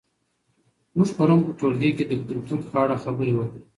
موږ پرون په ټولګي کې د کلتور په اړه خبرې وکړې.